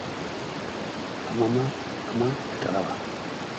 Amama, ama eta alaba.